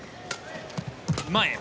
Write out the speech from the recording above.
前へ。